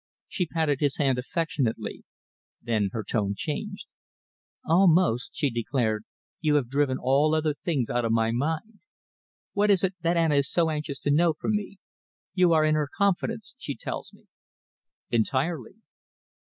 She patted his hand affectionately. Then her tone changed. "Almost," she declared, "you have driven all other things out of my mind. What is it that Anna is so anxious to know from me? You are in her confidence, she tells me." "Entirely."